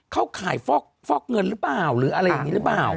เข้าข่ายฟอกเงินรึเปล่าหรืออะไรอย่างนี้รึเปล่า